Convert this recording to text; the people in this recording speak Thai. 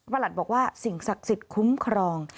หลัดบอกว่าสิ่งศักดิ์สิทธิ์คุ้มครอง